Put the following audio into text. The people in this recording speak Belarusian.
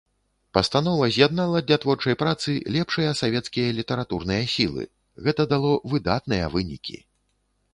Пастанова з'яднала для творчай працы лепшыя савецкія літаратурныя сілы, гэта дало выдатныя вынікі.